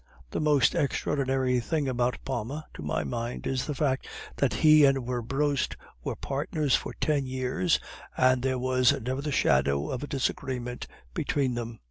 The most extraordinary thing about Palma, to my mind, is the fact that he and Werbrust were partners for ten years, and there was never the shadow of a disagreement between them."